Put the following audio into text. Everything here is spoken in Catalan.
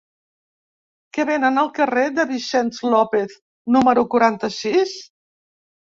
Què venen al carrer de Vicent López número quaranta-sis?